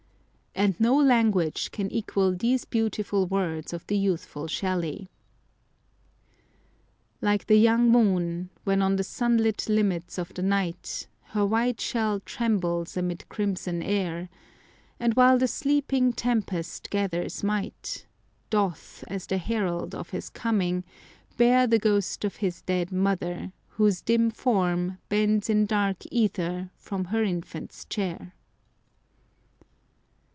And no language can equal these beautiful words of the youthful Shelley: "Like the young moon, When on the sunlit limits of the night Her white shell trembles amid crimson air, And while the sleeping tempest gathers might, Doth, as the herald of his coming, bear The ghost of its dead mother, whose dim form Bends in dark ether from her infant's chair."